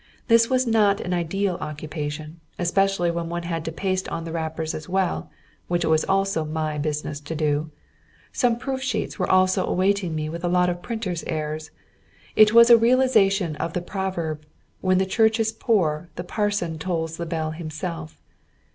This was not an ideal occupation, especially when one had to paste on the wrappers as well, which it was also my business to do. Some proof sheets were also awaiting me with a lot of printers' errors. It was a realization of the proverb, "When the church is poor, the parson tolls the bell himself."